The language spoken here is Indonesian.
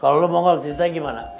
kalau lo monggol ceritanya gimana